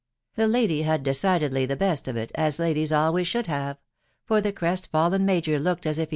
The lady had decidedly the best of it, as ladies always should have ; for the crest fallen major looked as if.